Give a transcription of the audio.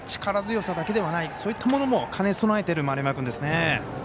力強さだけではないそういったものも兼ね備えている丸山君ですね。